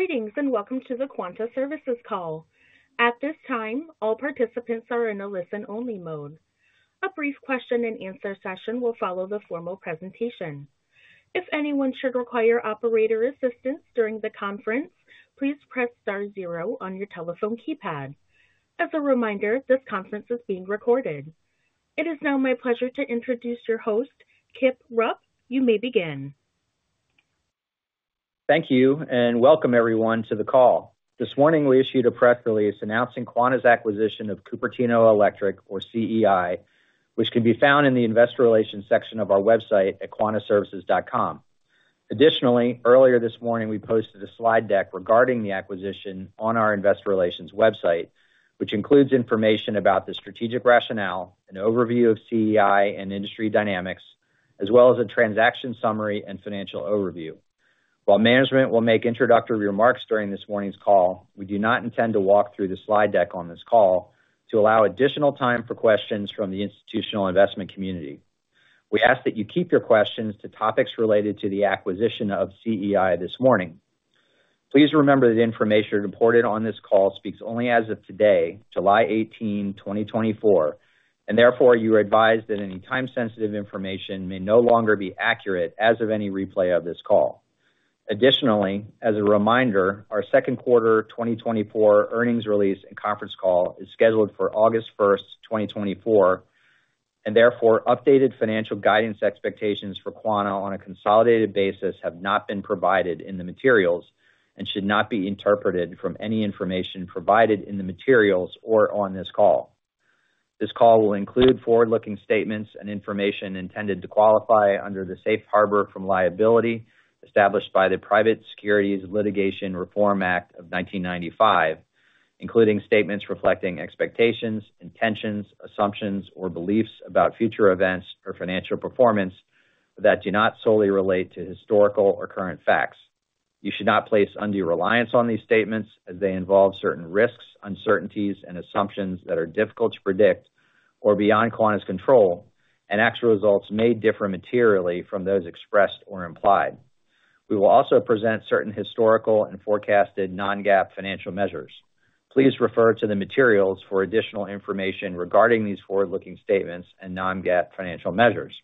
...Greetings, and welcome to the Quanta Services call. At this time, all participants are in a listen-only mode. A brief question-and-answer session will follow the formal presentation. If anyone should require operator assistance during the conference, please press star zero on your telephone keypad. As a reminder, this conference is being recorded. It is now my pleasure to introduce your host, Kip Rupp. You may begin. Thank you, and welcome everyone to the call. This morning, we issued a press release announcing Quanta's acquisition of Cupertino Electric or CEI, which can be found in the Investor Relations section of our website at quantaservices.com. Additionally, earlier this morning, we posted a slide deck regarding the acquisition on our investor relations website, which includes information about the strategic rationale, an overview of CEI and industry dynamics, as well as a transaction summary and financial overview. While management will make introductory remarks during this morning's call, we do not intend to walk through the slide deck on this call to allow additional time for questions from the institutional investment community. We ask that you keep your questions to topics related to the acquisition of CEI this morning. Please remember that the information reported on this call speaks only as of today, July 18, 2024, and therefore you are advised that any time-sensitive information may no longer be accurate as of any replay of this call. Additionally, as a reminder, our second quarter 2024 earnings release and conference call is scheduled for August 1, 2024, and therefore, updated financial guidance expectations for Quanta on a consolidated basis have not been provided in the materials and should not be interpreted from any information provided in the materials or on this call. This call will include forward-looking statements and information intended to qualify under the safe harbor from liability established by the Private Securities Litigation Reform Act of 1995, including statements reflecting expectations, intentions, assumptions, or beliefs about future events or financial performance that do not solely relate to historical or current facts. You should not place undue reliance on these statements as they involve certain risks, uncertainties, and assumptions that are difficult to predict or beyond Quanta's control, and actual results may differ materially from those expressed or implied. We will also present certain historical and forecasted non-GAAP financial measures. Please refer to the materials for additional information regarding these forward-looking statements and non-GAAP financial measures.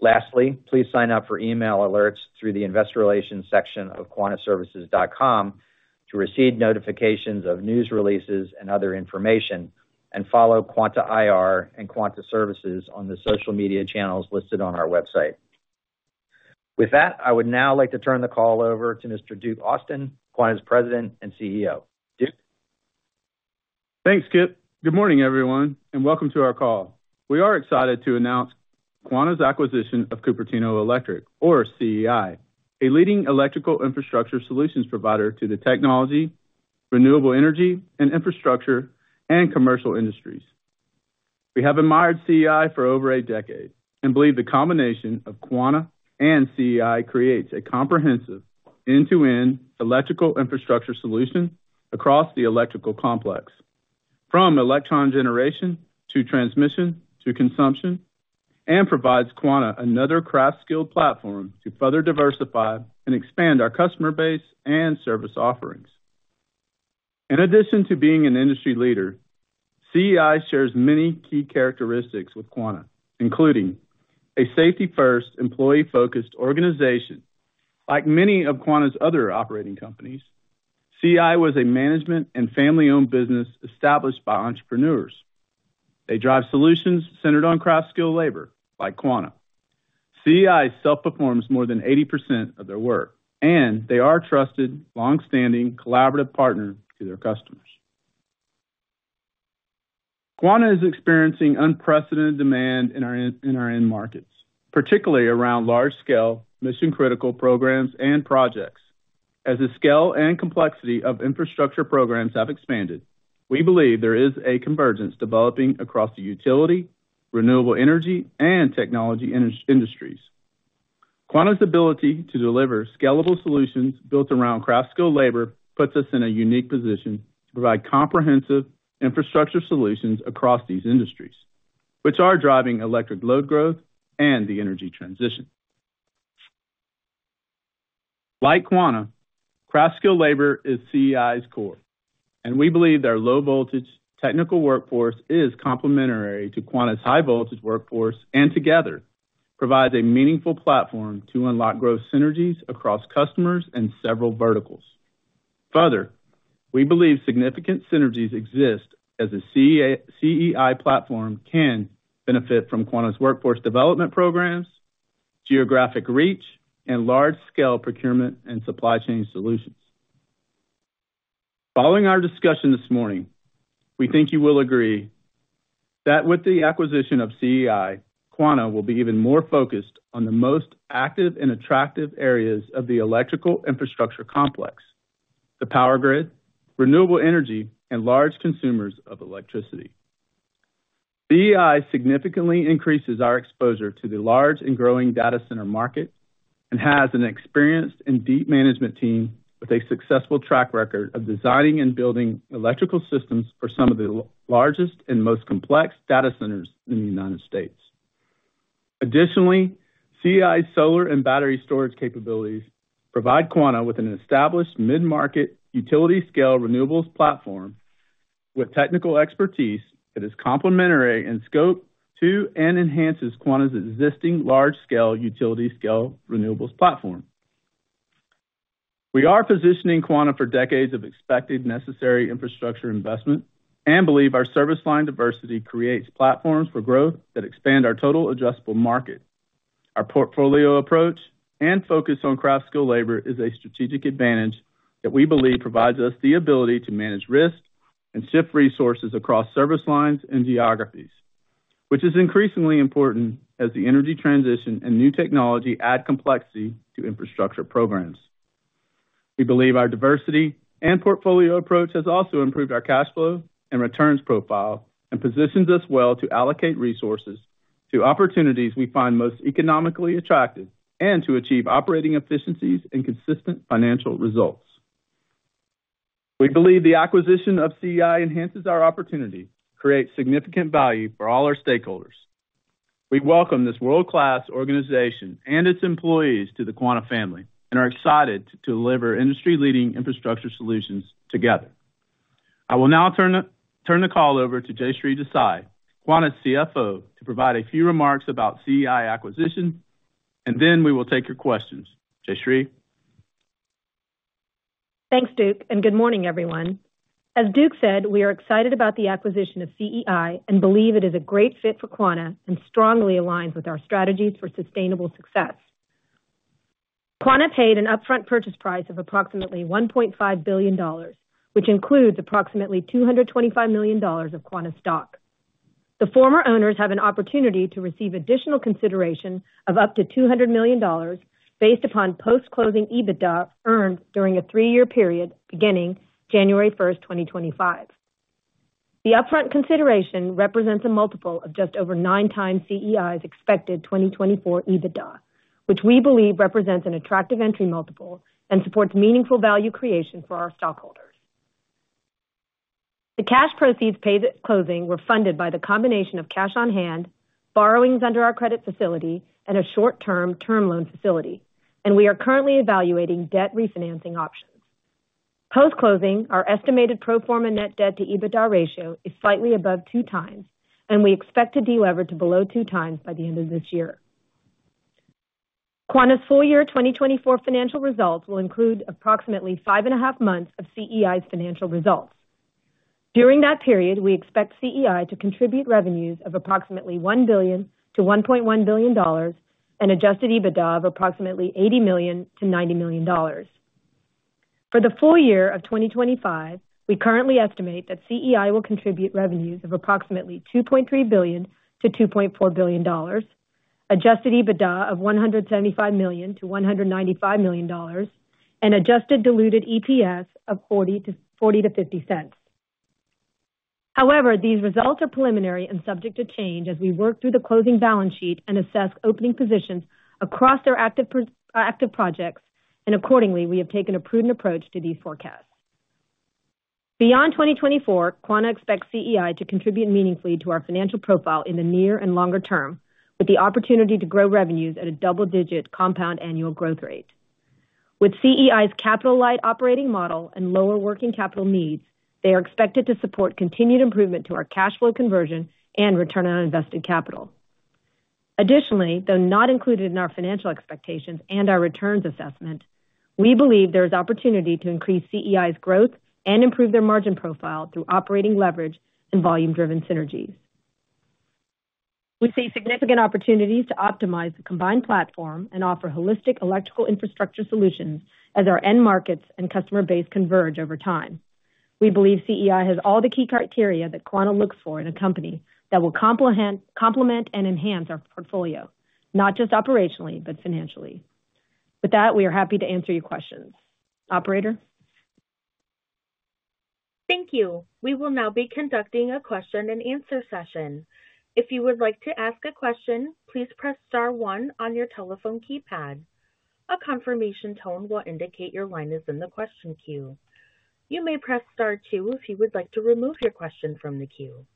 Lastly, please sign up for email alerts through the investor relations section of quantaservices.com to receive notifications of news releases and other information, and follow Quanta IR and Quanta Services on the social media channels listed on our website. With that, I would now like to turn the call over to Mr. Duke Austin, Quanta's President and CEO. Duke? Thanks, Kip. Good morning, everyone, and welcome to our call. We are excited to announce Quanta's acquisition of Cupertino Electric or CEI, a leading electrical infrastructure solutions provider to the technology, renewable energy and infrastructure, and commercial industries. We have admired CEI for over a decade and believe the combination of Quanta and CEI creates a comprehensive, end-to-end electrical infrastructure solution across the electrical complex, from electron generation to transmission to consumption, and provides Quanta another craft skilled platform to further diversify and expand our customer base and service offerings. In addition to being an industry leader, CEI shares many key characteristics with Quanta, including a safety-first, employee-focused organization. Like many of Quanta's other operating companies, CEI was a management and family-owned business established by entrepreneurs. They drive solutions centered on craft skill labor, like Quanta. CEI self-performs more than 80% of their work, and they are a trusted, long-standing, collaborative partner to their customers. Quanta is experiencing unprecedented demand in our end, in our end markets, particularly around large-scale, mission-critical programs and projects. As the scale and complexity of infrastructure programs have expanded, we believe there is a convergence developing across the utility, renewable energy, and technology industries. Quanta's ability to deliver scalable solutions built around craft skill labor puts us in a unique position to provide comprehensive infrastructure solutions across these industries, which are driving electric load growth and the energy transition. Like Quanta, craft skill labor is CEI's core, and we believe their low-voltage technical workforce is complementary to Quanta's high-voltage workforce, and together provides a meaningful platform to unlock growth synergies across customers and several verticals. Further, we believe significant synergies exist as a CEI platform can benefit from Quanta's workforce development programs, geographic reach, and large-scale procurement and supply chain solutions. Following our discussion this morning, we think you will agree that with the acquisition of CEI, Quanta will be even more focused on the most active and attractive areas of the electrical infrastructure complex: the power grid, renewable energy, and large consumers of electricity. CEI significantly increases our exposure to the large and growing data center market and has an experienced and deep management team with a successful track record of designing and building electrical systems for some of the largest and most complex data centers in the United States.... Additionally, CEI's solar and battery storage capabilities provide Quanta with an established mid-market, utility-scale renewables platform with technical expertise that is complementary in scope to and enhances Quanta's existing large-scale, utility-scale renewables platform. We are positioning Quanta for decades of expected necessary infrastructure investment and believe our service line diversity creates platforms for growth that expand our total addressable market. Our portfolio approach and focus on craft skill labor is a strategic advantage that we believe provides us the ability to manage risk and shift resources across service lines and geographies, which is increasingly important as the energy transition and new technology add complexity to infrastructure programs. We believe our diversity and portfolio approach has also improved our cash flow and returns profile, and positions us well to allocate resources to opportunities we find most economically attractive and to achieve operating efficiencies and consistent financial results. We believe the acquisition of CEI enhances our opportunity to create significant value for all our stakeholders. We welcome this world-class organization and its employees to the Quanta family and are excited to deliver industry-leading infrastructure solutions together. I will now turn the call over to Jayshree Desai, Quanta's CFO, to provide a few remarks about CEI acquisition, and then we will take your questions. Jayshree? Thanks, Duke, and good morning, everyone. As Duke said, we are excited about the acquisition of CEI and believe it is a great fit for Quanta and strongly aligns with our strategies for sustainable success. Quanta paid an upfront purchase price of approximately $1.5 billion, which includes approximately $225 million of Quanta stock. The former owners have an opportunity to receive additional consideration of up to $200 million based upon post-closing EBITDA earned during a three-year period beginning January first, 2025. The upfront consideration represents a multiple of just over 9x CEI's expected 2024 EBITDA, which we believe represents an attractive entry multiple and supports meaningful value creation for our stockholders. The cash proceeds paid at closing were funded by the combination of cash on hand, borrowings under our credit facility, and a short-term term loan facility, and we are currently evaluating debt refinancing options. Post-closing, our estimated pro forma net debt to EBITDA ratio is slightly above 2x, and we expect to delever to below 2x by the end of this year. Quanta's full year 2024 financial results will include approximately 5.5 months of CEI's financial results. During that period, we expect CEI to contribute revenues of approximately $1 billion-$1.1 billion and adjusted EBITDA of approximately $80 million-$90 million. For the full year of 2025, we currently estimate that CEI will contribute revenues of approximately $2.3 billion-$2.4 billion, adjusted EBITDA of $175 million-$195 million, and adjusted diluted EPS of $0.40-$0.50. However, these results are preliminary and subject to change as we work through the closing balance sheet and assess opening positions across their active projects, and accordingly, we have taken a prudent approach to these forecasts. Beyond 2024, Quanta expects CEI to contribute meaningfully to our financial profile in the near and longer term, with the opportunity to grow revenues at a double-digit compound annual growth rate. With CEI's capital-light operating model and lower working capital needs, they are expected to support continued improvement to our cash flow conversion and return on invested capital. Additionally, though not included in our financial expectations and our returns assessment, we believe there is opportunity to increase CEI's growth and improve their margin profile through operating leverage and volume-driven synergies. We see significant opportunities to optimize the combined platform and offer holistic electrical infrastructure solutions as our end markets and customer base converge over time. We believe CEI has all the key criteria that Quanta looks for in a company that will complement and enhance our portfolio, not just operationally, but financially. With that, we are happy to answer your questions. Operator? Thank you. We will now be conducting a question-and-answer session. If you would like to ask a question, please press star one on your telephone keypad. A confirmation tone will indicate your line is in the question queue. You may press star two if you would like to remove your question from the queue.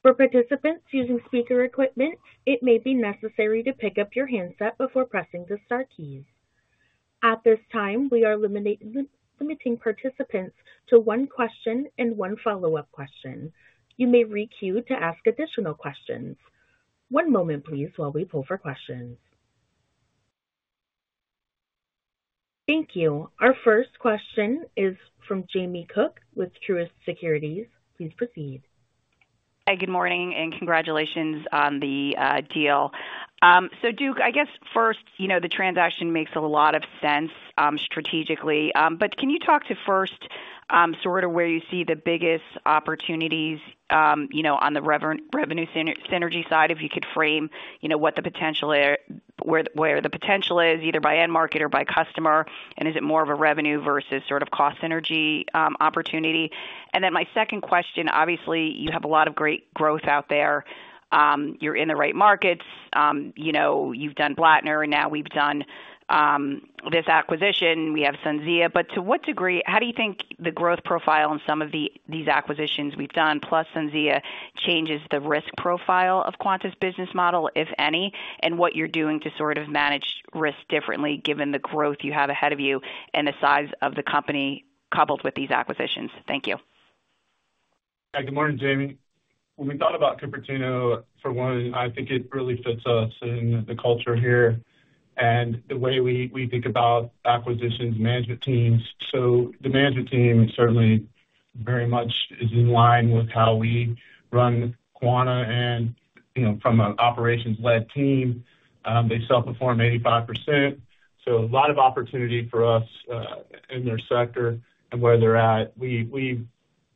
For participants using speaker equipment, it may be necessary to pick up your handset before pressing the star keys. At this time, we are limiting participants to one question and one follow-up question. You may re-queue to ask additional questions. One moment, please, while we poll for questions. Thank you. Our first question is from Jamie Cook with Truist Securities. Please proceed. Hi, good morning, and congratulations on the deal. So Duke, I guess first, you know, the transaction makes a lot of sense strategically. But can you talk to first, sort of where you see the biggest opportunities, you know, on the revenue synergy side? If you could frame, you know, what the potential is, where the potential is, either by end market or by customer, and is it more of a revenue versus sort of cost synergy opportunity? And then my second question, obviously, you have a lot of great growth out there. You're in the right markets. You know, you've done Blattner, and now we've done this acquisition. We have SunZia. But to what degree, how do you think the growth profile and some of these acquisitions we've done, plus SunZia, changes the risk profile of Quanta's business model, if any, and what you're doing to sort of manage risk differently given the growth you have ahead of you and the size of the company coupled with these acquisitions? Thank you.... Hi, good morning, Jamie. When we thought about Cupertino, for one, I think it really fits us and the culture here and the way we, we think about acquisitions, management teams. So the management team certainly very much is in line with how we run Quanta and, you know, from an operations-led team, they self-perform 85%, so a lot of opportunity for us, in their sector and where they're at. We, we've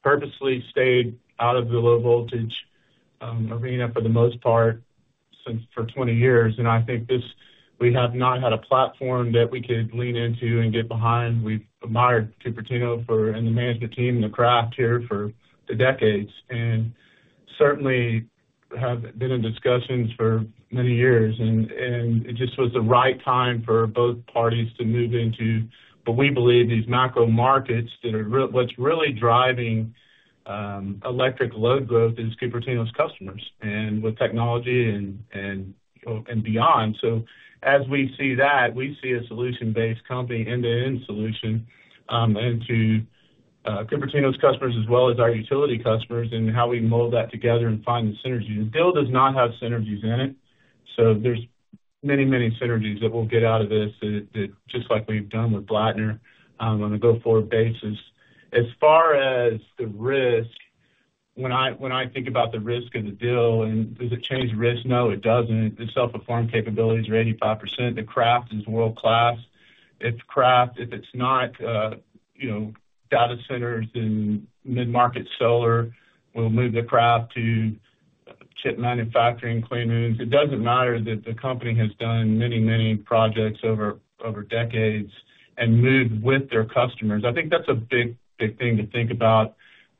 purposely stayed out of the low voltage arena for the most part for 20 years, and I think this, we have not had a platform that we could lean into and get behind. We've admired Cupertino for, and the management team, and the craft here for decades, and certainly have been in discussions for many years, and, and it just was the right time for both parties to move into. But we believe these macro markets that are, what's really driving electric load growth is Cupertino's customers, and with technology and, you know, and beyond. So as we see that, we see a solution-based company, end-to-end solution into Cupertino's customers as well as our utility customers, and how we mold that together and find the synergies. The deal does not have synergies in it, so there's many, many synergies that we'll get out of this, that just like we've done with Blattner on a go-forward basis. As far as the risk, when I think about the risk of the deal, and does it change risk? No, it doesn't. Its self-perform capabilities are 85%. The craft is world-class. If craft, if it's not, you know, data centers and mid-market solar, we'll move the craft to chip manufacturing, clean rooms. It doesn't matter that the company has done many, many projects over decades and moved with their customers. I think that's a big, big thing to think about.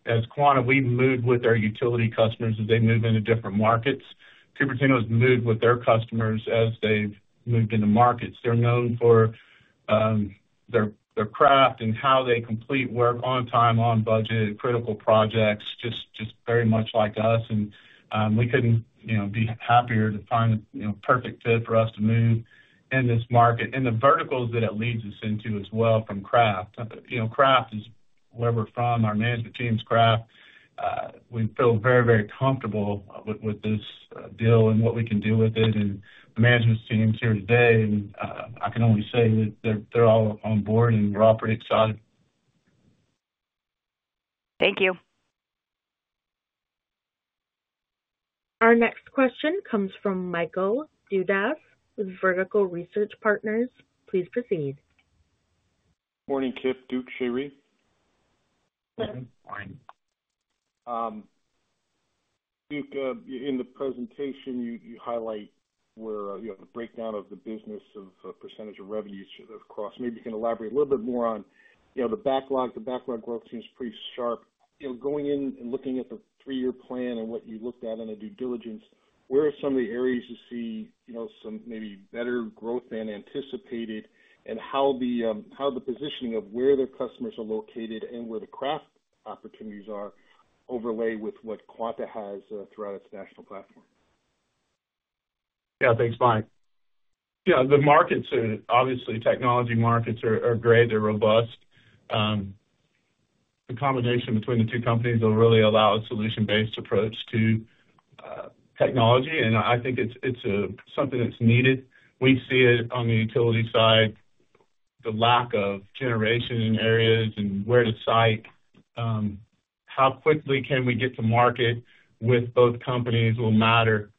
As Quanta, we've moved with our utility customers as they move into different markets. Cupertino's moved with their customers as they've moved into markets. They're known for their craft and how they complete work on time, on budget, critical projects, just very much like us. And we couldn't, you know, be happier to find, you know, perfect fit for us to move in this market. And the verticals that it leads us into as well from craft. You know, craft is where we're from, our management team's craft. We feel very, very comfortable with this deal and what we can do with it. The management teams here today, and I can only say that they're all on board, and we're all pretty excited. Thank you. Our next question comes from Michael Dudas with Vertical Research Partners. Please proceed. Morning, Kip, Duke, Jayshree. Morning. Duke, in the presentation, you highlight where you have a breakdown of the business of percentage of revenues across. Maybe you can elaborate a little bit more on, you know, the backlog. The backlog growth seems pretty sharp. You know, going in and looking at the three-year plan and what you looked at on a due diligence, where are some of the areas you see, you know, some maybe better growth than anticipated, and how the positioning of where their customers are located and where the craft opportunities are overlay with what Quanta has throughout its national platform? Yeah, thanks, Mike. Yeah, the markets are obviously, technology markets are great, they're robust. The combination between the two companies will really allow a solution-based approach to technology, and I think it's something that's needed. We see it on the utility side, the lack of generation in areas and where to site. How quickly can we get to market with both companies will matter.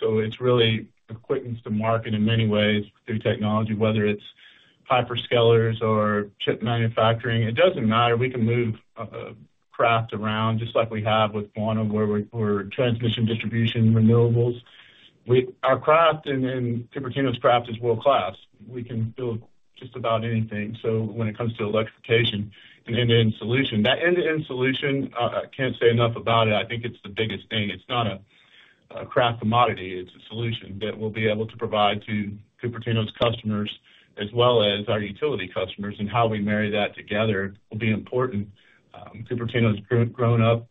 So it's really quickness to market in many ways through technology, whether it's hyperscalers or chip manufacturing, it doesn't matter. We can move craft around, just like we have with Quanta, where we're transmission, distribution, renewables. Our craft and Cupertino's craft is world-class. We can build just about anything. So when it comes to electrification, an end-to-end solution. That end-to-end solution, I can't say enough about it. I think it's the biggest thing. It's not a craft commodity, it's a solution that we'll be able to provide to Cupertino's customers as well as our utility customers, and how we marry that together will be important. Cupertino's grown up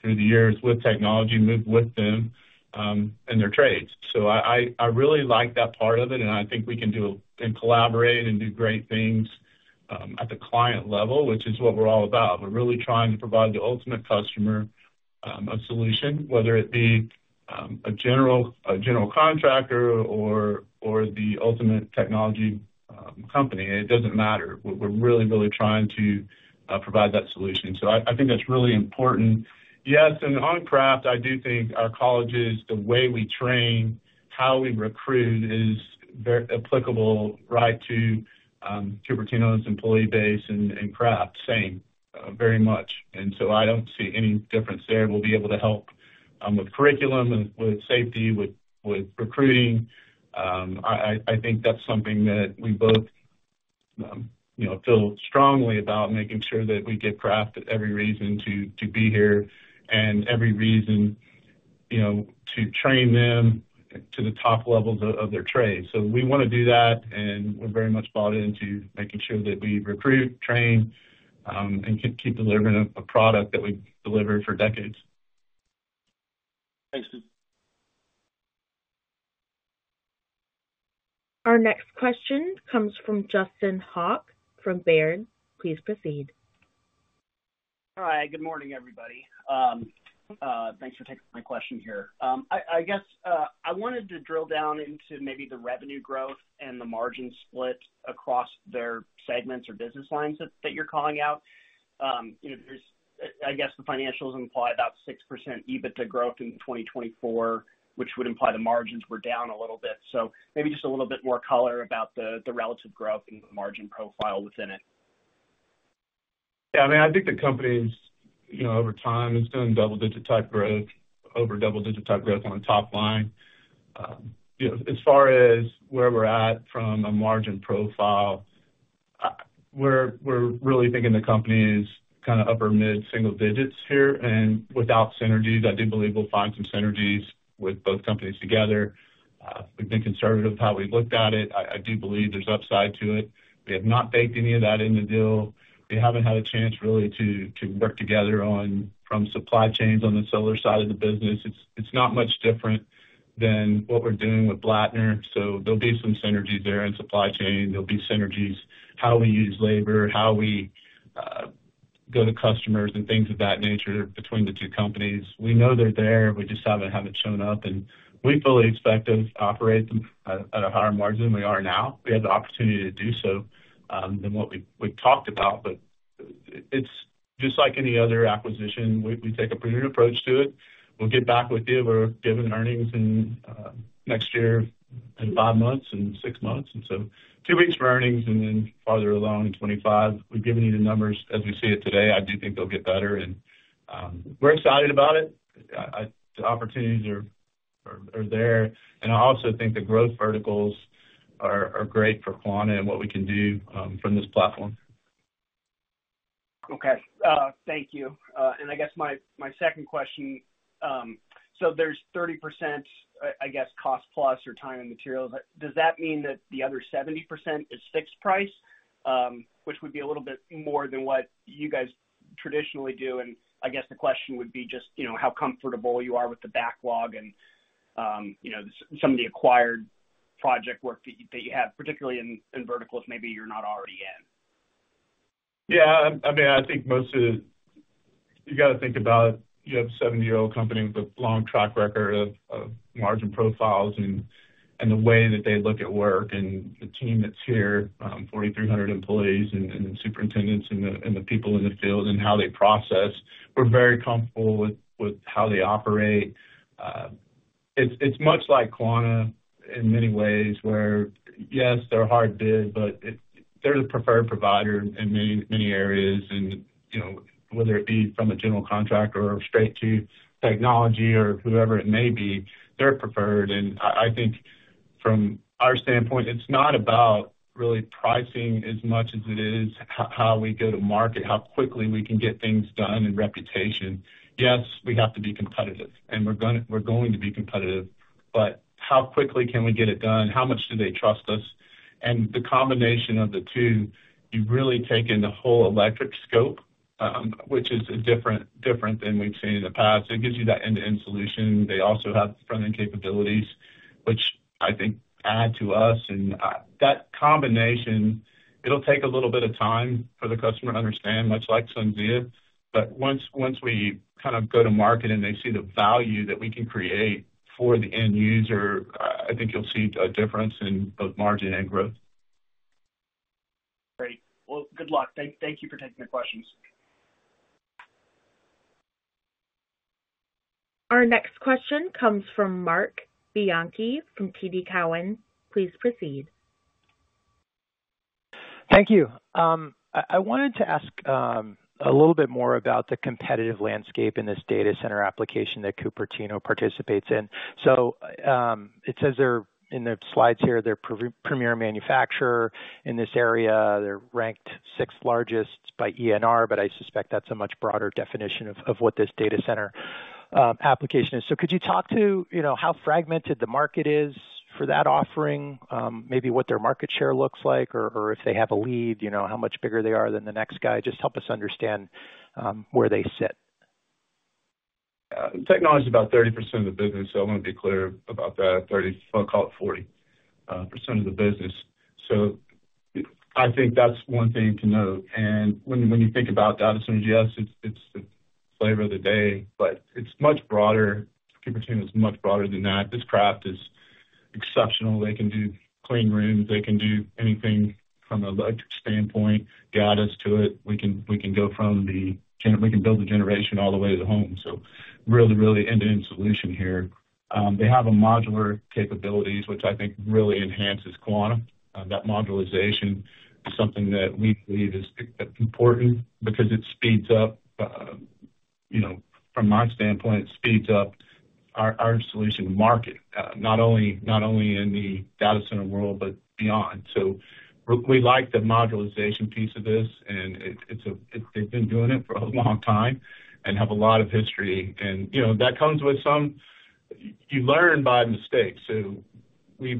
through the years with technology, moved with them, and their trades. So I really like that part of it, and I think we can do and collaborate and do great things at the client level, which is what we're all about. We're really trying to provide the ultimate customer a solution, whether it be a general contractor or the ultimate technology company, it doesn't matter. We're really trying to provide that solution. So I think that's really important. Yes, and on craft, I do think our colleagues, the way we train, how we recruit is very applicable, right, to Cupertino's employee base and craft, same, very much. And so I don't see any difference there. We'll be able to help with curriculum and with safety, with recruiting. I think that's something that we both, you know, feel strongly about, making sure that we give craft every reason to be here and every reason, you know, to train them to the top levels of their trade. So we wanna do that, and we're very much bought into making sure that we recruit, train, and keep delivering a product that we've delivered for decades. Thanks, Duke. Our next question comes from Justin Hauke from Baird. Please proceed. Hi, good morning, everybody. Thanks for taking my question here. I guess I wanted to drill down into maybe the revenue growth and the margin split across their segments or business lines that you're calling out. You know, there's I guess the financials imply about 6% EBITDA growth in 2024, which would imply the margins were down a little bit. So maybe just a little bit more color about the relative growth and margin profile within it. Yeah, I mean, I think the company's, you know, over time, is doing double-digit type growth, over double-digit type growth on the top line. You know, as far as where we're at from a margin profile, we're, we're really thinking the company is kind of upper mid-single digits here. Without synergies, I do believe we'll find some synergies with both companies together. We've been conservative how we've looked at it. I, I do believe there's upside to it. We have not baked any of that in the deal. They haven't had a chance really to, to work together on from supply chains on the solar side of the business. It's, it's not much different than what we're doing with Blattner, so there'll be some synergies there in supply chain. There'll be synergies, how we use labor, how we go to customers and things of that nature between the two companies. We know they're there. We just haven't shown up, and we fully expect to operate them at a higher margin than we are now. We have the opportunity to do so, than what we've talked about. But it's just like any other acquisition. We take a prudent approach to it. We'll get back with you. We're giving earnings in next year, in 5 months and 6 months, and so 2 weeks for earnings and then farther along in 2025. We've given you the numbers as we see it today. I do think they'll get better, and we're excited about it. I... the opportunities are there. I also think the growth verticals are great for Quanta and what we can do from this platform. Okay. Thank you. And I guess my second question, so there's 30%, I guess, cost plus or time and materials. Does that mean that the other 70% is fixed price? Which would be a little bit more than what you guys traditionally do, and I guess the question would be just, you know, how comfortable you are with the backlog and, you know, some of the acquired project work that you, that you have, particularly in, in verticals maybe you're not already in? Yeah, I mean, I think most of the... You gotta think about it. You have a 70-year-old company with a long track record of margin profiles and the way that they look at work, and the team that's here, 4,300 employees and superintendents and the people in the field and how they process. We're very comfortable with how they operate. It's much like Quanta in many ways, where, yes, they're hard bid, but they're the preferred provider in many areas. And, you know, whether it be from a general contractor or straight to technology or whoever it may be, they're preferred. And I think from our standpoint, it's not about really pricing as much as it is how we go to market, how quickly we can get things done, and reputation. Yes, we have to be competitive, and we're gonna- we're going to be competitive, but how quickly can we get it done? How much do they trust us? And the combination of the two, you've really taken the whole electric scope, which is different than we've seen in the past. It gives you that end-to-end solution. They also have front-end capabilities, which I think add to us. And that combination, it'll take a little bit of time for the customer to understand, much like SunZia, but once we kind of go to market and they see the value that we can create for the end user, I think you'll see a difference in both margin and growth. Great. Well, good luck. Thank you for taking the questions. Our next question comes from Marc Bianchi from TD Cowen. Please proceed. Thank you. I wanted to ask a little bit more about the competitive landscape in this data center application that Cupertino participates in. So, it says they're, in the slides here, they're premier manufacturer in this area. They're ranked sixth largest by ENR, but I suspect that's a much broader definition of what this data center application is. So could you talk to, you know, how fragmented the market is for that offering? Maybe what their market share looks like, or if they have a lead, you know, how much bigger they are than the next guy? Just help us understand where they sit. Technology is about 30% of the business, so I want to be clear about that. Thirty, well, call it 40%, of the business. So I think that's one thing to note. When you think about data centers, yes, it's the flavor of the day, but it's much broader. Cupertino is much broader than that. This craft is exceptional. They can do clean rooms. They can do anything from an electric standpoint, guide us to it. We can go from the generation all the way to the home. So really, really end-to-end solution here. They have a modular capabilities, which I think really enhances Quanta. That modularization is something that we believe is important because it speeds up, you know, from my standpoint, it speeds up our solution to market, not only in the data center world, but beyond. So we like the modularization piece of this, and they've been doing it for a long time and have a lot of history. And, you know, that comes with some... you learn by mistakes. So we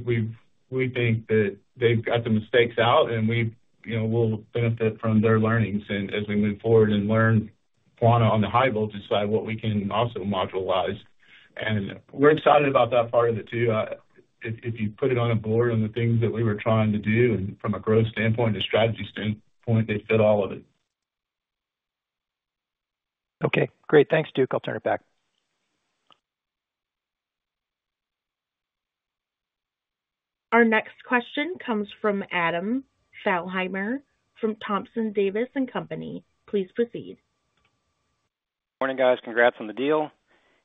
think that they've got the mistakes out, and we will benefit from their learnings and as we move forward and learn what on the high voltage side we can also modularize. And we're excited about that part of it, too. If you put it on a board on the things that we were trying to do and from a growth standpoint, a strategy standpoint, they fit all of it. Okay, great. Thanks, Duke. I'll turn it back. Our next question comes from Adam Thalhimer, from Thompson Davis & Co. Please proceed. Morning, guys. Congrats on the deal.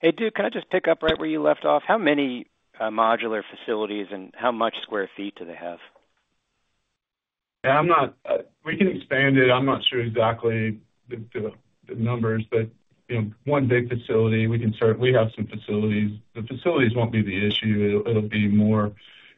Hey, Duke, can I just pick up right where you left off? How many modular facilities and how much sq ft do they have? Yeah, I'm not. We can expand it. I'm not sure exactly the numbers, but you know, one big facility, we can start. We have some facilities. The facilities won't be the issue. It'll be more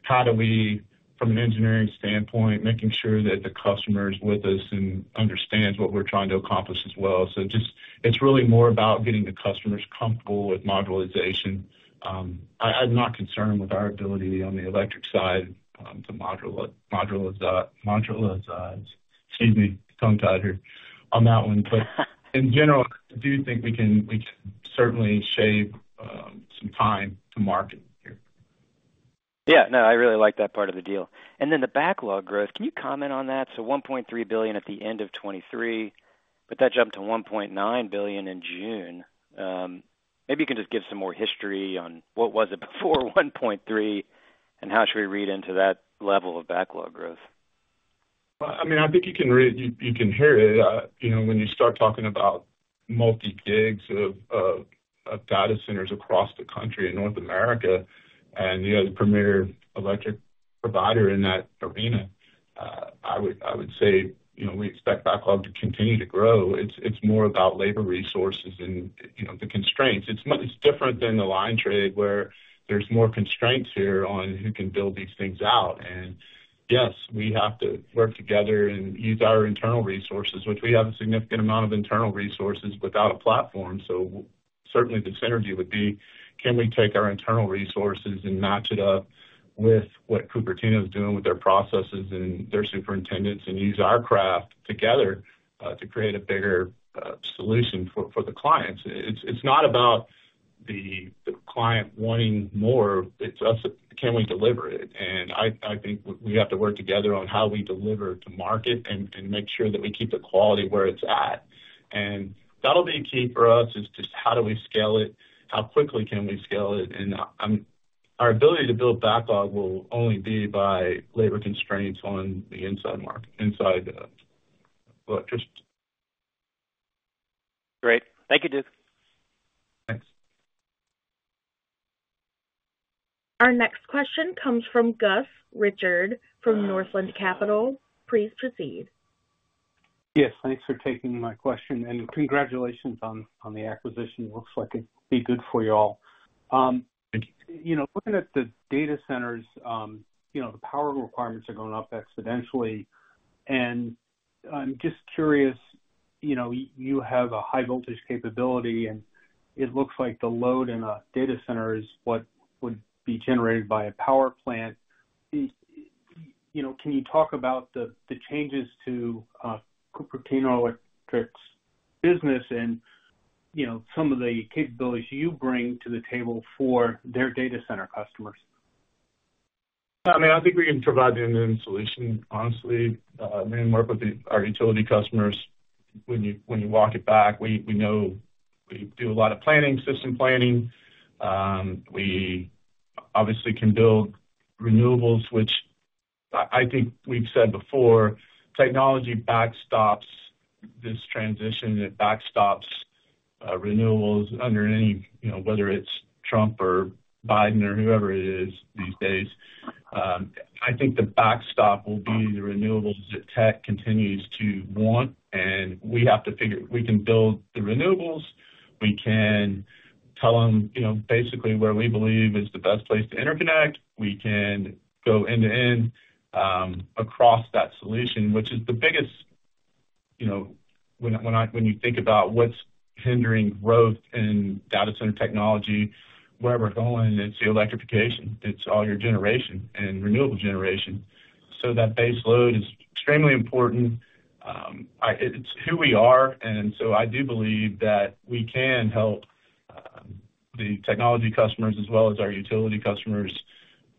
how do we, from an engineering standpoint, making sure that the customer is with us and understands what we're trying to accomplish as well. So just, it's really more about getting the customers comfortable with modularization. I, I'm not concerned with our ability on the electric side to modularize, excuse me, tongue-tied here, on that one. But in general, I do think we can certainly shave some time to market here. Yeah. No, I really like that part of the deal. And then the backlog growth, can you comment on that? So $1.3 billion at the end of 2023, but that jumped to $1.9 billion in June. Maybe you can just give some more history on what was it before $1.3 billion, and how should we read into that level of backlog growth? Well, I mean, I think you can hear it. You know, when you start talking about multi-gigs of data centers across the country, in North America, and, you know, the premier electric provider in that arena, I would say, you know, we expect backlog to continue to grow. It's more about labor resources and, you know, the constraints. It's different than the line trade, where there's more constraints here on who can build these things out. And yes, we have to work together and use our internal resources, which we have a significant amount of internal resources without a platform. So certainly the synergy would be, can we take our internal resources and match it up with what Cupertino is doing with their processes and their superintendents, and use our craft together to create a bigger solution for the clients? It's not about the client wanting more, it's us, can we deliver it? And I think we have to work together on how we deliver to market and make sure that we keep the quality where it's at. And that'll be key for us, is just how do we scale it? How quickly can we scale it? And our ability to build backlog will only be by labor constraints on the inside market, inside the electricity. Great. Thank you, Duke. Thanks. Our next question comes from Gus Richard, from Northland Capital. Please proceed. Yes, thanks for taking my question, and congratulations on the acquisition. It looks like it'd be good for you all. You know, looking at the data centers, you know, the power requirements are going up exponentially, and I'm just curious, you know, you have a high voltage capability, and it looks like the load in a data center is what would be generated by a power plant. You know, can you talk about the changes to Cupertino Electric's business and, you know, some of the capabilities you bring to the table for their data center customers? I mean, I think we can provide the end-to-end solution, honestly. We work with our utility customers. When you walk it back, we know we do a lot of planning, system planning. We obviously can build renewables, which I think we've said before, technology backstops this transition. It backstops renewables under any, you know, whether it's Trump or Biden or whoever it is these days. I think the backstop will be the renewables that tech continues to want, and we have to figure—we can build the renewables, we can tell them, you know, basically where we believe is the best place to interconnect. We can go end-to-end across that solution, which is the biggest. You know, when you think about what's hindering growth in data center technology, where we're going, it's the electrification. It's all your generation and renewable generation. So that base load is extremely important. It's who we are, and so I do believe that we can help the technology customers, as well as our utility customers,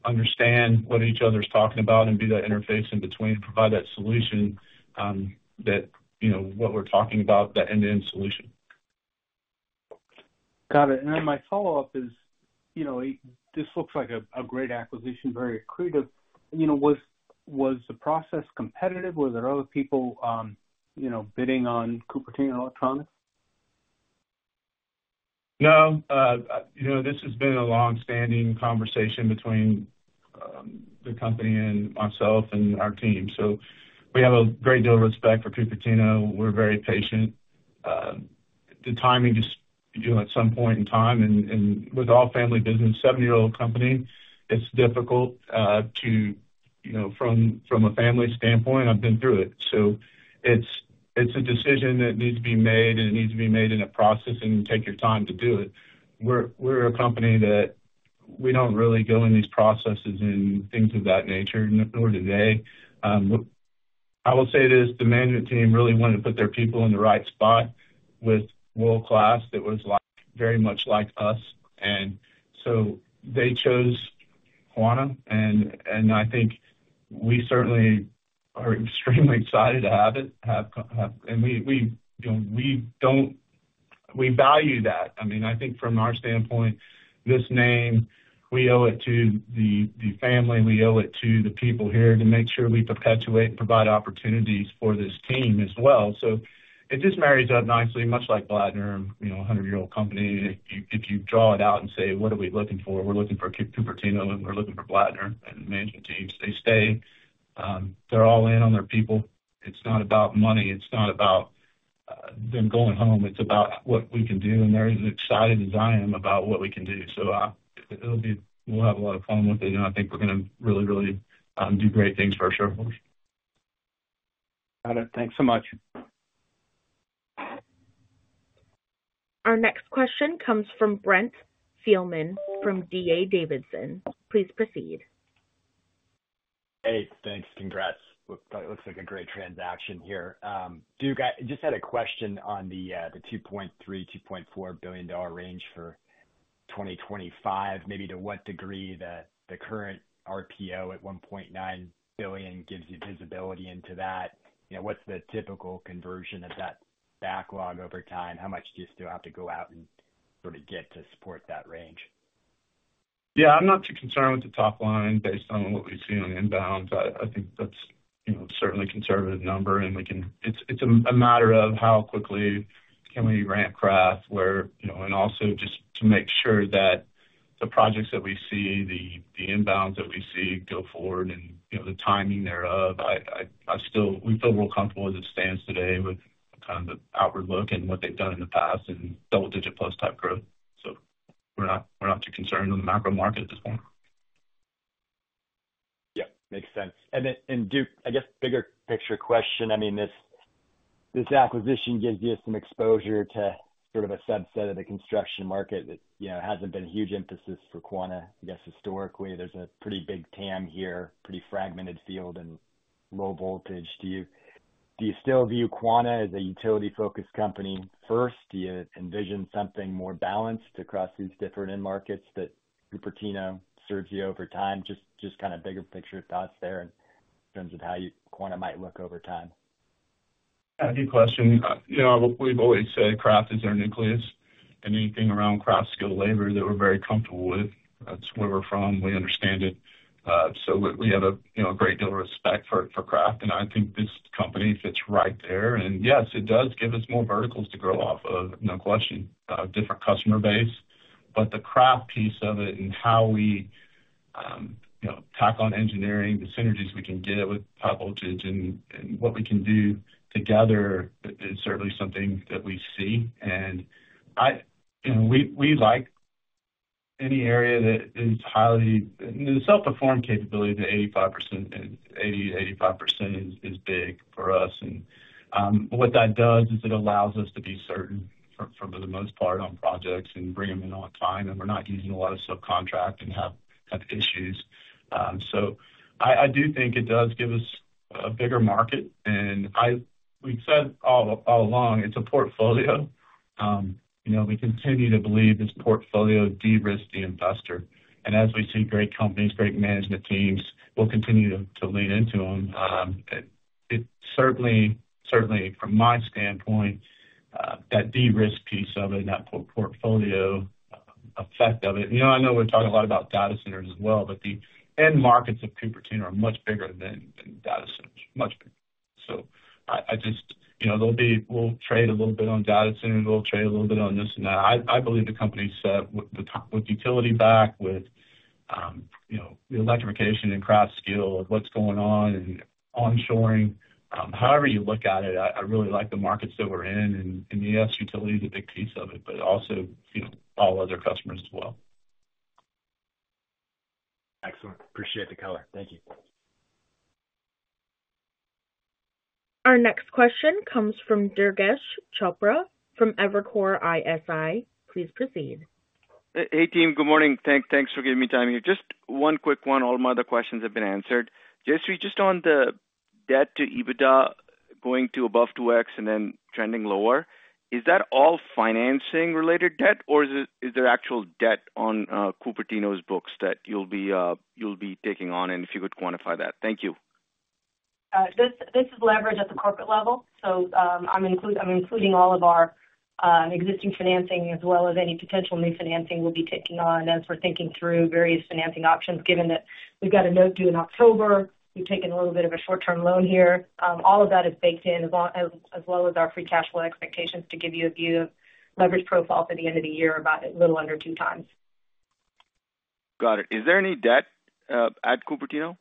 understand what each other's talking about and be that interface in between and provide that solution, that, you know, what we're talking about, that end-to-end solution. Got it. And then my follow-up is, you know, this looks like a great acquisition, very accretive. You know, was the process competitive? Were there other people, you know, bidding on Cupertino Electric? No. You know, this has been a long-standing conversation between the company and myself and our team, so we have a great deal of respect for Cupertino. We're very patient. The timing just, you know, at some point in time, and with all family business, seven-year-old company, it's difficult to, you know, from a family standpoint, I've been through it. So it's a decision that needs to be made, and it needs to be made in a process and take your time to do it. We're a company that we don't really go in these processes and things of that nature, nor do they. I will say this, the management team really wanted to put their people in the right spot with world-class that was like, very much like us. And so they chose Quanta, and I think we certainly are extremely excited to have it, have—and we, you know, we value that. I mean, I think from our standpoint, this name, we owe it to the family, we owe it to the people here to make sure we perpetuate and provide opportunities for this team as well. So it just marries up nicely, much like Blattner, you know, a hundred-year-old company. If you draw it out and say: What are we looking for? We're looking for Cupertino, and we're looking for Blattner and management teams. They stay, they're all in on their people. It's not about money, it's not about them going home. It's about what we can do, and they're as excited as I am about what we can do. So, it'll be... We'll have a lot of fun with it, and I think we're gonna really, really, do great things for our shareholders. Got it. Thanks so much. Our next question comes from Brent Thielman from D.A. Davidson. Please proceed. Hey, thanks, congrats. It looks like a great transaction here. Duke, I just had a question on the $2.3-$2.4 billion range for 2025, maybe to what degree the current RPO at $1.9 billion gives you visibility into that? You know, what's the typical conversion of that backlog over time? How much do you still have to go out and sort of get to support that range? Yeah, I'm not too concerned with the top line based on what we've seen on inbounds. I think that's, you know, certainly a conservative number, and we can—it's a matter of how quickly can we ramp craft where, you know, and also just to make sure that the projects that we see, the inbounds that we see go forward and, you know, the timing thereof. I still, we feel real comfortable as it stands today with kind of the outward look and what they've done in the past and double-digit plus type growth. So we're not, we're not too concerned with the macro market at this point. Yeah, makes sense. And then, and Duke, I guess, bigger picture question, I mean, this, this acquisition gives you some exposure to sort of a subset of the construction market that, you know, hasn't been a huge emphasis for Quanta. I guess, historically, there's a pretty big TAM here, pretty fragmented field and low voltage. Do you, do you still view Quanta as a utility-focused company first? Do you envision something more balanced across these different end markets that Cupertino serves you over time? Just, just kind of bigger picture thoughts there in terms of how you- Quanta might look over time. Yeah, good question. You know, we've always said craft is our nucleus, and anything around craft skilled labor that we're very comfortable with, that's where we're from. We understand it. So we, we have a, you know, a great deal of respect for, for craft, and I think this company fits right there. And yes, it does give us more verticals to grow off of, no question, different customer base. But the craft piece of it and how we, you know, tack on engineering, the synergies we can get with high voltage and, and what we can do together is certainly something that we see. And we, we like any area that is highly... The self-perform capability to 85%, 80%-85% is, is big for us. What that does is it allows us to be certain, for the most part, on projects and bring them in on time, and we're not using a lot of subcontract and have issues. So I do think it does give us a bigger market, and I... We've said all along, it's a portfolio. You know, we continue to believe this portfolio de-risks the investor, and as we see great companies, great management teams, we'll continue to lean into them. It certainly from my standpoint that de-risk piece of it and that portfolio effect of it. You know, I know we're talking a lot about data centers as well, but the end markets of Cupertino are much bigger than data centers, much bigger. So I just, you know, there'll be, we'll trade a little bit on data centers, we'll trade a little bit on this and that. I believe the company set with the utility backlog, with, you know, the electrification and craft skill of what's going on and onshoring. However you look at it, I really like the markets that we're in, and yes, utility is a big piece of it, but also, you know, all other customers as well. Excellent. Appreciate the color. Thank you. Our next question comes from Durgesh Chopra from Evercore ISI. Please proceed. Hey, hey, team. Good morning. Thank, thanks for giving me time here. Just one quick one. All my other questions have been answered. Jayshree, just on the debt to EBITDA going to above 2x and then trending lower, is that all financing-related debt, or is it - is there actual debt on Cupertino's books that you'll be, you'll be taking on? And if you could quantify that. Thank you. This is leverage at the corporate level, so I'm including all of our existing financing, as well as any potential new financing we'll be taking on as we're thinking through various financing options, given that we've got a note due in October. We've taken a little bit of a short-term loan here. All of that is baked in, as well as our free cash flow expectations to give you a view of leverage profile for the end of the year, about a little under two times. Got it. Is there any debt at Cupertino?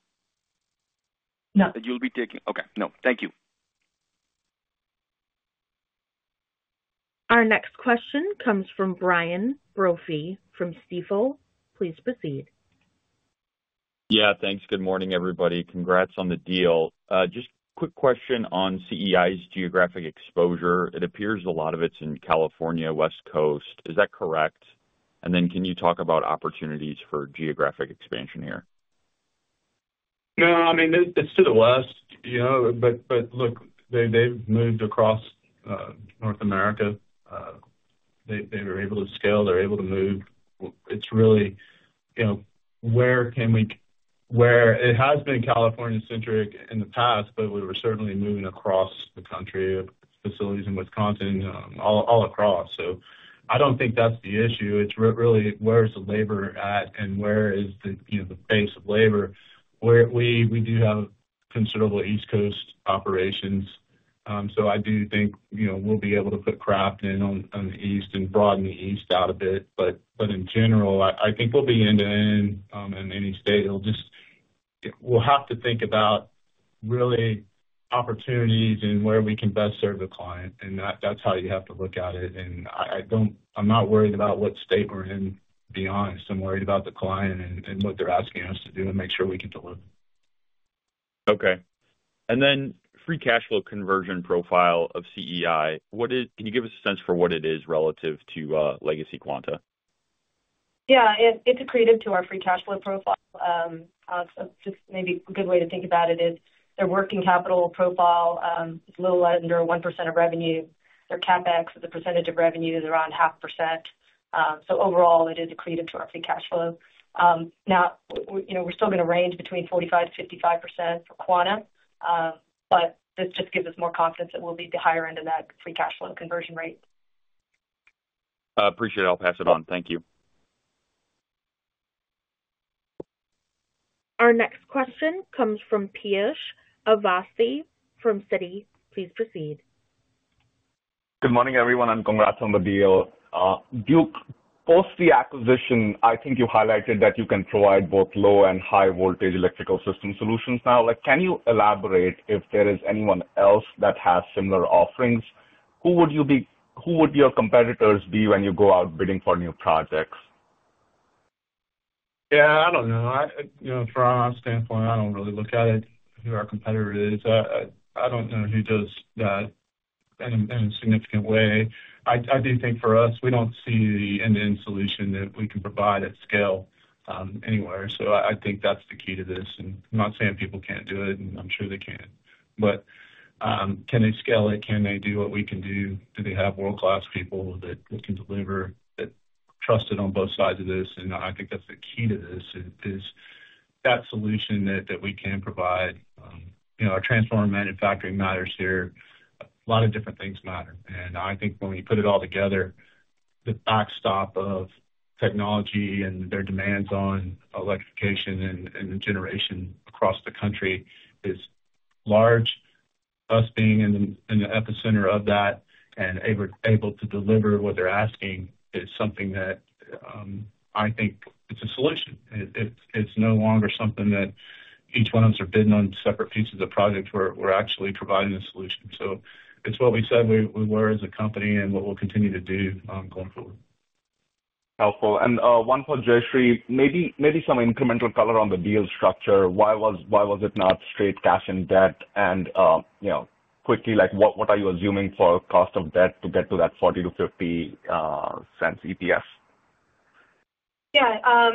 No. That you'll be taking? Okay, no. Thank you. Our next question comes from Brian Brophy from Stifel. Please proceed. ... Yeah, thanks. Good morning, everybody. Congrats on the deal. Just quick question on CEI's geographic exposure. It appears a lot of it's in California, West Coast. Is that correct? And then can you talk about opportunities for geographic expansion here? No, I mean, it, it's to the west, you know, but, but look, they, they've moved across North America. They, they were able to scale, they're able to move. It's really, you know, where it has been California centric in the past, but we were certainly moving across the country, facilities in Wisconsin, all, all across. So I don't think that's the issue. It's really, where is the labor at and where is the, you know, the base of labor? Where we, we do have considerable East Coast operations. So I do think, you know, we'll be able to put craft in on, on the east and broaden the east out a bit. But, but in general, I, I think we'll be end-to-end in any state. We'll have to think about really opportunities and where we can best serve the client, and that's how you have to look at it. I'm not worried about what state we're in, to be honest. I'm worried about the client and what they're asking us to do and make sure we can deliver. Okay. And then free cash flow conversion profile of CEI, what is... Can you give us a sense for what it is relative to legacy Quanta? Yeah, it's accretive to our free cash flow profile. So just maybe a good way to think about it is their working capital profile is a little under 1% of revenue. Their CapEx, as a percentage of revenue, is around 0.5%. So overall, it is accretive to our free cash flow. Now, we, you know, we're still going to range between 45%-55% for Quanta, but this just gives us more confidence that we'll be at the higher end of that free cash flow conversion rate. Appreciate it. I'll pass it on. Thank you. Our next question comes from Piyush Avasthi from Citi. Please proceed. Good morning, everyone, and congrats on the deal. Duke, post the acquisition, I think you highlighted that you can provide both low and high voltage electrical system solutions now. Like, can you elaborate if there is anyone else that has similar offerings? Who would your competitors be when you go out bidding for new projects? Yeah, I don't know. You know, from our standpoint, I don't really look at it, who our competitor is. I don't know who does that in a significant way. I do think for us, we don't see the end-to-end solution that we can provide at scale anywhere. So I think that's the key to this. And I'm not saying people can't do it, and I'm sure they can, but can they scale it? Can they do what we can do? Do they have world-class people that can deliver, that trusted on both sides of this? And I think that's the key to this, is that solution that we can provide. You know, our transformer manufacturing matters here. A lot of different things matter. And I think when we put it all together, the backstop of technology and their demands on electrification and the generation across the country is large. Us being in the epicenter of that and able to deliver what they're asking is something that, I think it's a solution. It's no longer something that each one of us are bidding on separate pieces of projects. We're actually providing a solution. So it's what we said we were as a company and what we'll continue to do, going forward. Helpful. And one for Jayshree. Maybe, maybe some incremental color on the deal structure. Why was, why was it not straight cash and debt? And you know, quickly, like, what, what are you assuming for cost of debt to get to that $0.40-$0.50 EPS? Yeah,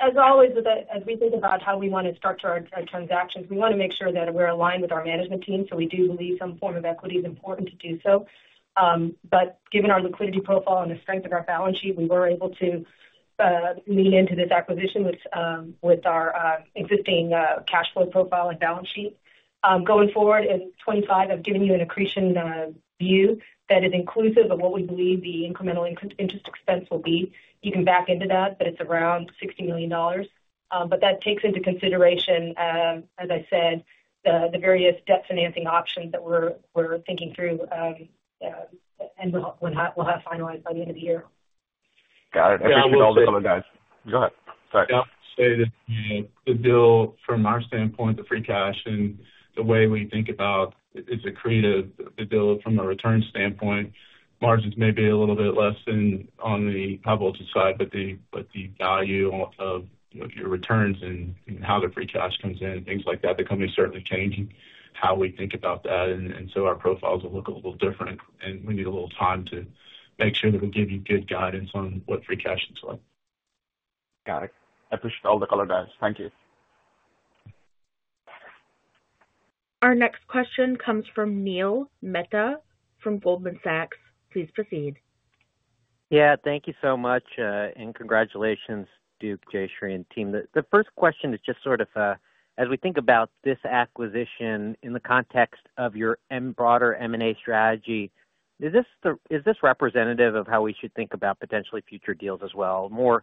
as always, as we think about how we want to structure our, our transactions, we want to make sure that we're aligned with our management team, so we do believe some form of equity is important to do so. But given our liquidity profile and the strength of our balance sheet, we were able to lean into this acquisition with our existing cash flow profile and balance sheet. Going forward in 25, I've given you an accretion view that is inclusive of what we believe the incremental interest expense will be. You can back into that, but it's around $60 million. But that takes into consideration, as I said, the various debt financing options that we're thinking through, and we'll have finalized by the end of the year. Got it. Yeah, I will say- Go ahead. Sorry. I'll say that, you know, the deal from our standpoint, the free cash and the way we think about is accretive the deal from a return standpoint. Margins may be a little bit less than on the high voltage side, but the value of your returns and how the free cash comes in, things like that, the company is certainly changing how we think about that. And so our profiles will look a little different, and we need a little time to make sure that we give you good guidance on what free cash looks like. Got it. I appreciate all the color, guys. Thank you. Our next question comes from Neil Mehta from Goldman Sachs. Please proceed. Yeah, thank you so much, and congratulations, Duke, Jayshree, and team. The first question is just sort of, as we think about this acquisition in the context of your broader M&A strategy, is this representative of how we should think about potentially future deals as well? More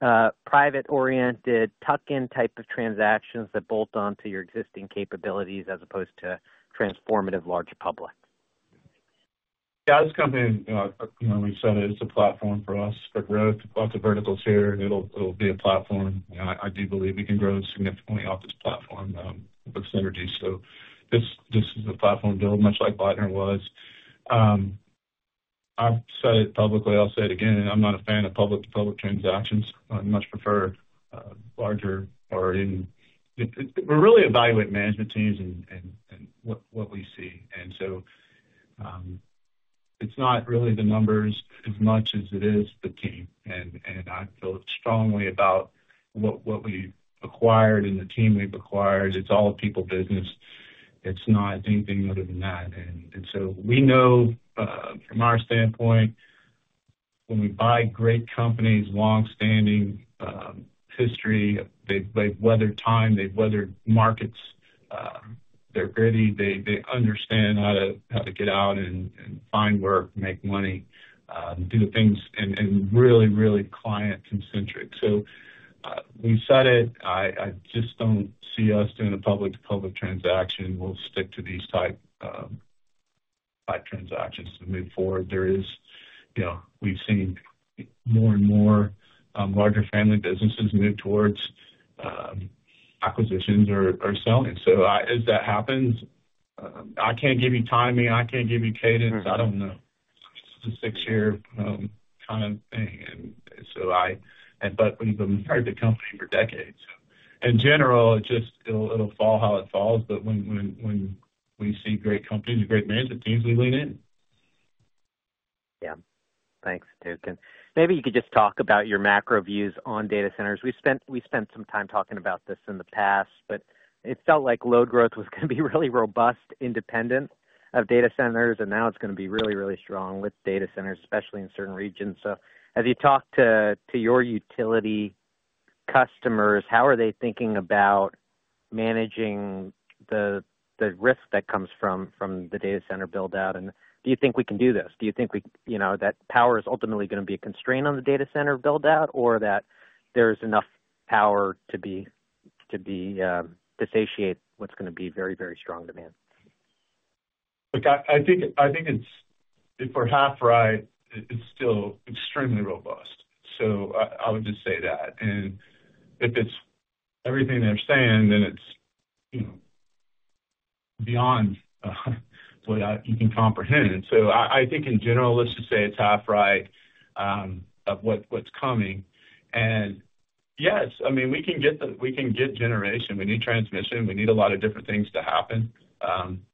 private-oriented, tuck-in type of transactions that bolt onto your existing capabilities as opposed to transformative large public? Yeah, this company, you know, we said it, it's a platform for us, but lots of verticals here, it'll, it'll be a platform. You know, I do believe we can grow significantly off this platform with synergy. So this, this is a platform build, much like Blattner was. I've said it publicly, I'll say it again, I'm not a fan of public-to-public transactions. I much prefer larger. We're really evaluating management teams and, and, and what, what we see. And so, it's not really the numbers as much as it is the team, and, and I feel strongly about what, what we've acquired and the team we've acquired. It's all a people business. It's not anything other than that. And so we know from our standpoint, when we buy great companies, long-standing history, they've weathered time, they've weathered markets, they're gritty, they understand how to get out and find work, make money, do the things and really client-centric. So we've said it, I just don't see us doing a public-to-public transaction. We'll stick to these type transactions to move forward. There is, you know, we've seen more and more larger family businesses move towards acquisitions or selling. So as that happens, I can't give you timing, I can't give you cadence. I don't know. It's a six-year kind of thing. And so I... But we've been part of the company for decades. In general, it just, it'll fall how it falls, but when we see great companies and great management teams, we lean in. Yeah. Thanks, Duke. And maybe you could just talk about your macro views on data centers. We've spent, we've spent some time talking about this in the past, but it felt like load growth was going to be really robust, independent of data centers, and now it's going to be really, really strong with data centers, especially in certain regions. So as you talk to, to your utility customers, how are they thinking about managing the, the risk that comes from, from the data center build-out? And do you think we can do this? Do you think we, you know, that power is ultimately going to be a constraint on the data center build-out, or that there's enough power to be, to be, to satiate what's going to be very, very strong demand? Look, I, I think, I think it's if we're half right, it's still extremely robust. So I, I would just say that. And if it's everything they're saying, then it's, you know, beyond, you can comprehend. So I, I think in general, let's just say it's half right, of what's coming. And yes, I mean, we can get the-- we can get generation. We need transmission, we need a lot of different things to happen,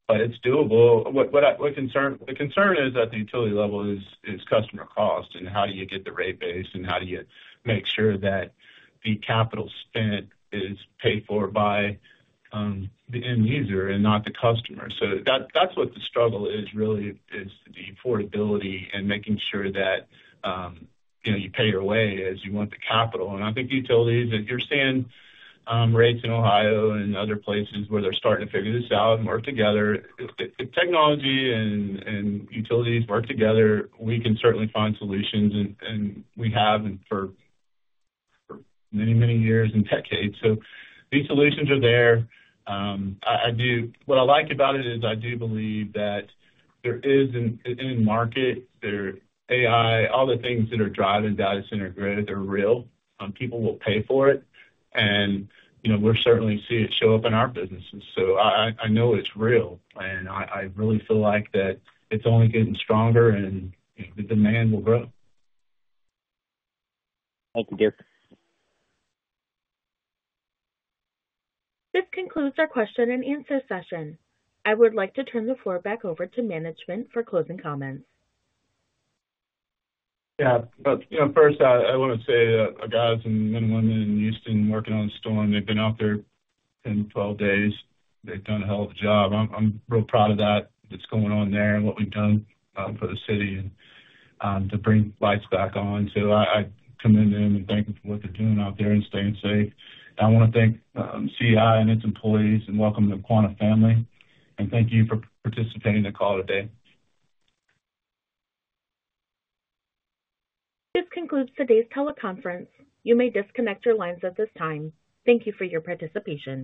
but it's doable. What, what I, The concern is at the utility level is, is customer cost and how do you get the rate base, and how do you make sure that the capital spent is paid for by, the end user and not the customer? So that, that's what the struggle is really, is the affordability and making sure that, you know, you pay your way as you want the capital. And I think the utilities, if you're seeing, rates in Ohio and other places where they're starting to figure this out and work together, if technology and utilities work together, we can certainly find solutions, and we have for many, many years and decades. So these solutions are there. What I like about it is I do believe that there is an end market. There—AI, all the things that are driving data center grid are real. People will pay for it. You know, we're certainly seeing it show up in our businesses, so I know it's real, and I really feel like that it's only getting stronger and the demand will grow. Thank you, Duke. This concludes our question and answer session. I would like to turn the floor back over to management for closing comments. Yeah. But, you know, first, I want to say that our guys and men and women in Houston working on the storm, they've been out there 10, 12 days. They've done a hell of a job. I'm real proud of that, that's going on there and what we've done for the city and to bring lights back on. So I commend them and thank them for what they're doing out there and staying safe. I want to thank CEI and its employees, and welcome to the Quanta family, and thank you for participating in the call today. This concludes today's teleconference. You may disconnect your lines at this time. Thank you for your participation.